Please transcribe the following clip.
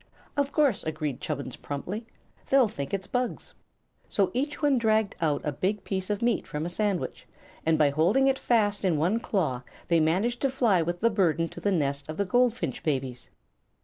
"Of course," agreed Chubbins, promptly. "They'll think it's bugs." So each one dragged out a big piece of meat from a sandwich, and by holding it fast in one claw they managed to fly with the burden to the nest of the goldfinch babies.